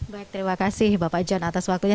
baik terima kasih bapak john atas waktunya